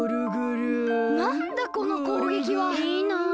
なんだこのこうげきは。いいな。